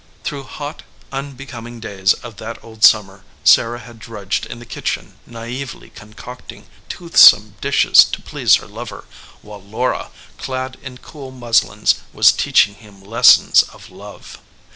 Through hot, un becoming days of that old summer, Sarah had drudged in the kitchen naively concocting tooth EDGEWATER PEOPLE some dishes to please her lover, while Laura, clad in cool muslins, was teaching him lessons of love.